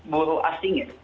buruh asing ya